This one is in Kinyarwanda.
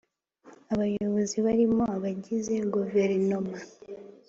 Abayobozi barimo abagize Guverinoma